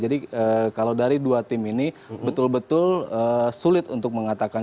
jadi kalau dari dua tim ini betul betul sulit untuk mengatakan siapa yang akan